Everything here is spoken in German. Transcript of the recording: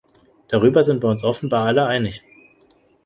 Darüber sind wir uns offenbar alle einig.